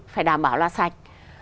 phải đảm bảo là sạch